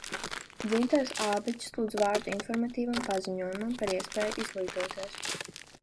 Dzintars Ābiķis lūdz vārdu informatīvam paziņojumam par iespējām izglītoties.